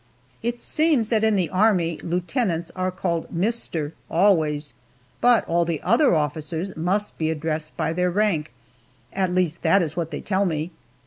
It seems that in the Army, lieutenants are called "Mister" always, but all other officers must be addressed by their rank. At least that is what they tell me.